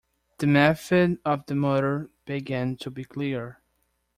The method of the murder began to be clear.